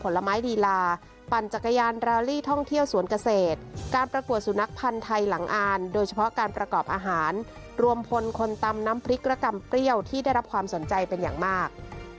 ผลไม้ลีลาปั่นจักรยานราลี่ท่องเที่ยวสวนเกษตรการประกวดสุนัขพันธ์ไทยหลังอ่านโดยเฉพาะการประกอบอาหารรวมพลคนตำน้ำพริกและกำเปรี้ยวที่ได้รับความสนใจเป็นอย่างมาก